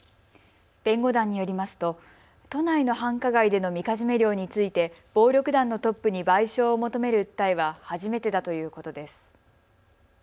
弁護団によりますと都内の繁華街でのみかじめ料について暴力団のトップに賠償を求める訴えは初めてだということです。